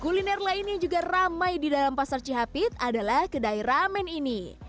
kuliner lain yang juga ramai di dalam pasar cihapit adalah kedai ramen ini